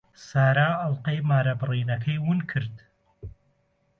سارا ئەڵقەی مارەبڕینەکەی ون کرد.